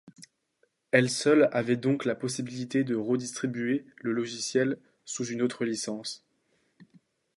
Elle seule avait donc la possibilité de redistribuer le logiciel sous une autre licence.